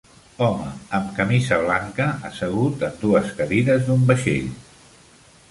Home amb camisa blanca assegut en dues cadires d'un vaixell